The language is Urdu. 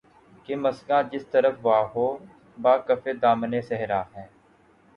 کہ مژگاں جس طرف وا ہو‘ بہ کف دامانِ صحرا ہے